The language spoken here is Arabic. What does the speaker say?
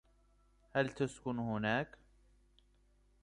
هل تسكن هناك ؟